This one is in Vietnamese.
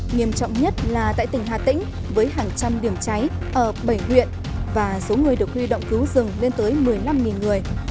nghiêm trọng nhất là tại tỉnh hà tĩnh với hàng trăm điểm cháy ở bảy huyện và số người được huy động cứu rừng lên tới một mươi năm người